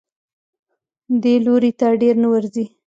دې لوري ته ډېر نه ورځي.